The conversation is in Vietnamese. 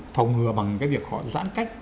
phòng ngừa bằng cái việc họ giãn cách